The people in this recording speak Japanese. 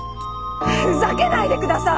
ふざけないでください！